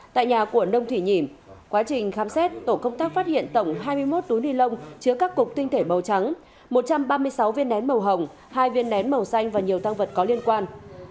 tại nhà của nông thủy nhỉm quá trình khám xét tổ công tác phát hiện tổng hai mươi một túi ni lông chứa các cục tinh thể màu trắng một trăm ba mươi sáu viên nén màu hồng hai viên nén màu xanh và nhiều tăng vật có liên quan